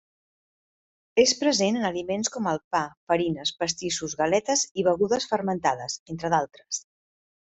És present en aliments com el pa, farines, pastissos, galetes i begudes fermentades, entre d’altres.